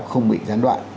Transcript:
không bị gián đoạn